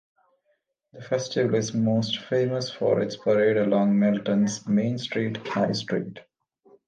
The festival is most famous for its parade along Melton's main street, High Street.